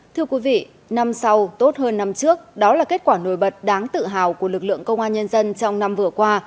thưa quý vị năm sau tốt hơn năm trước đó là kết quả nổi bật đáng tự hào của lực lượng công an nhân dân trong năm vừa qua